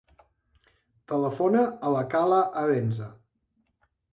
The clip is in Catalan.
Telefona a la Kala Abenza.